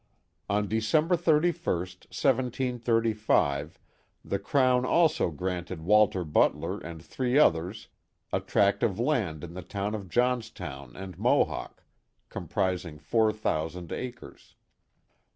On December 31, 1735, the Crown also granted Walter Butler and three others a tract of land in the towns of Johns town and Mohawk, comprising four thousand acres.